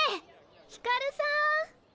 ひかるさん！